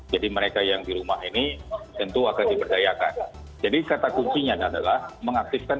jadi mereka yang di rumah ini tentu akan diperdayakan jadi kata kuncinya adalah mengaktifkan